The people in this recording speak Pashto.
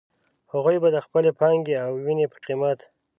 هغوی به د خپلې پانګې او وينې په قيمت.